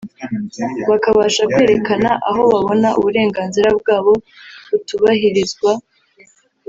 bakabasha kwerekana aho babona uburenganzira bwabo butubahirizwa